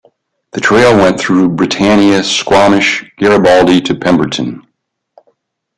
The trail went through Britannia, Squamish, Garibaldi to Pemberton.